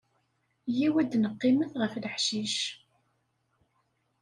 Yya-w ad neqqimet ɣef leḥcic.